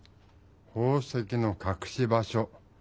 宝石のかくし場所。